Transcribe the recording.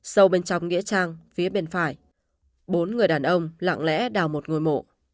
sâu bên trong nghĩa trang phía bên phải bốn người đàn ông lặng lẽ đào một ngôi mộ